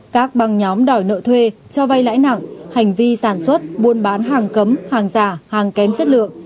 các băng nhóm đòi nợ thuê cho vay lãi nặng hành vi sản xuất buôn bán hàng cấm hàng giả hàng kém chất lượng